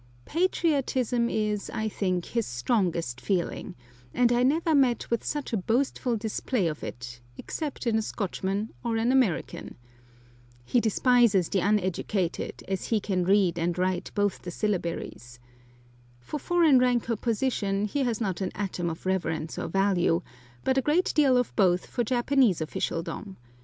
Patriotism is, I think, his strongest feeling, and I never met with such a boastful display of it, except in a Scotchman or an American. He despises the uneducated, as he can read and write both the syllabaries. For foreign rank or position he has not an atom of reverence or value, but a great deal of both for Japanese officialdom.